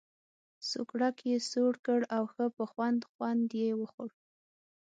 سوکړک یې سوړ کړ او ښه په خوند خوند یې وخوړ.